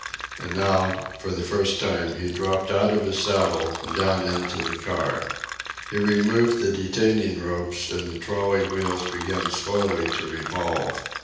And now, for the first time, he dropped out of his saddle and down into the car. He removed the detaining ropes, and the trolley wheels began slowly to revolve.